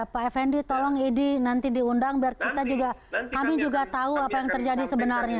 pak fnd tolong idi nanti diundang biar kami juga tahu apa yang terjadi sebenarnya